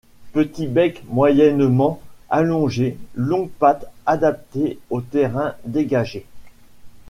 Petit bec moyennement allongé, longues pattes adaptées aux terrains dégagés.